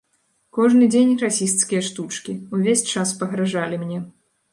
Кожны дзень расісцкія штучкі, увесь час пагражалі мне.